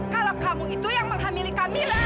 kalau kamu itu yang menghamili kami